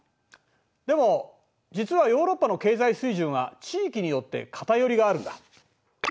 でも実はヨーロッパの経済水準は地域によって偏りがあるんだ。